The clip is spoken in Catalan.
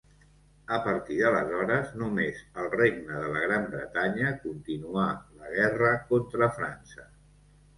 A partir d'aleshores, només el Regne de la Gran Bretanya continuà la guerra contra França.